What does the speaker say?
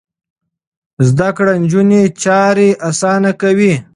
زده کړې نجونې چارې اسانه کوي.